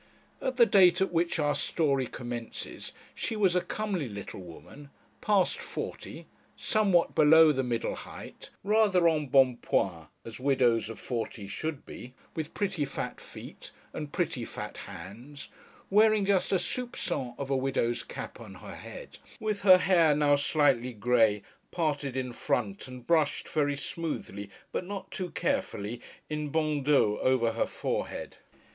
At the date at which our story commences, she was a comely little woman, past forty, somewhat below the middle height, rather embonpoint, as widows of forty should be, with pretty fat feet, and pretty fat hands; wearing just a soupçon of a widow's cap on her head, with her hair, now slightly grey, parted in front, and brushed very smoothly, but not too carefully, in bandeaux over her forehead.